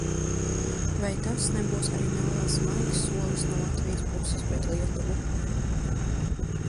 "Vai tas nebūs arī neliels "maigs" solis no Latvijas puses pret Lietuvu?"